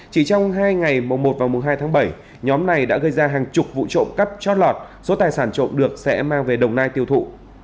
chỉ trong hai ngày một hai tháng bảy nhóm này đã gây ra hàng chục vụ trộm cắt trót lọt số tài sản trộm được sẽ mang về đồng nai tiêu thụ